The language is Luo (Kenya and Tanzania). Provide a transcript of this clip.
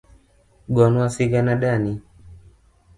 Gonwa sigana dani.